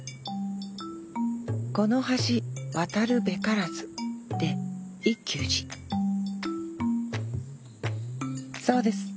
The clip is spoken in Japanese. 「このはしわたるべからず」で一休寺そうです。